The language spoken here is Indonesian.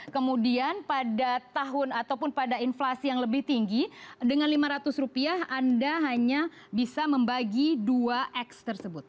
kemudian pada tahun ataupun pada inflasi yang lebih tinggi dengan lima ratus rupiah anda hanya bisa membagi dua x tersebut